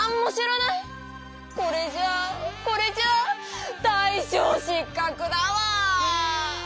これじゃあこれじゃあ大しょう失かくだわ！